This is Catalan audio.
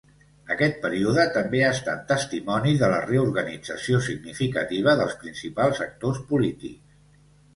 Aquest període també ha estat testimoni de la reorganització significativa dels principals actors polítics.